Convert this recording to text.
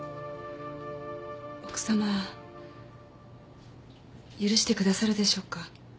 奥様許してくださるでしょうか？